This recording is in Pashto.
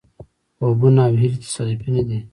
خوبونه او هیلې تصادفي نه دي.